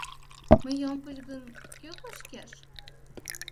Мый ом коч гын, кӧ кочкеш?